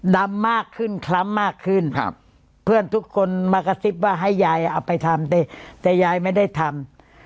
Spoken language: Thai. ดำมากขึ้นคล้ำมากขึ้นเพื่อนทุกคนมากระซิบว่าให้ยายเอาไปทำแต่ยายไม่ได้ทำ